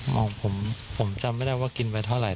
บอกผมผมจำไม่ได้ว่ากินไปเท่าไห